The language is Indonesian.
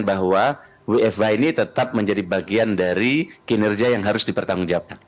untuk memastikan bahwa wfh ini tetap menjadi bagian dari kinerja yang harus dipertanggungjawab